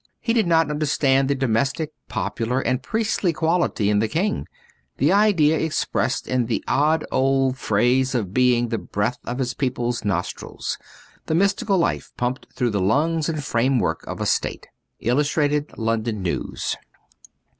He did not understand the domestic, popular, and priestly quality in the thing ; the idea expressed in the odd old phrase of being the breath of his people's nostrils ; the mystical life pumped through the lungs and framework of a state. * Illustrated London News.